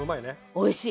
おいしい。